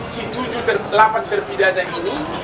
si tujuh terpilihannya ini